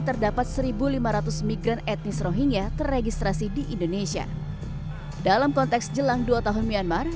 terdapat seribu lima ratus migran etnis rohingya terregistrasi di indonesia dalam konteks jelang dua tahun myanmar